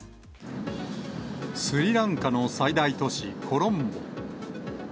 スリランカの最大都市、コロンボ。